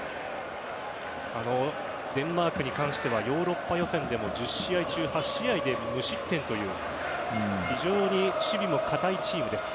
デンマークに関してはヨーロッパ予選でも１０試合中８試合で無失点という非常に守備も堅いチームです。